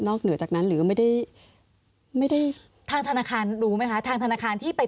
เหนือจากนั้นหรือไม่ได้ไม่ได้ทางธนาคารรู้ไหมคะทางธนาคารที่ไป